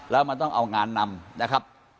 แล้วมันต้องเอางานนำนะครับ